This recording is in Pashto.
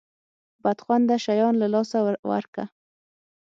بد خونده شیان له لاسه ورکه.